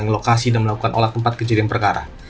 ke lokasi dan melakukan olah tempat kejadian perkara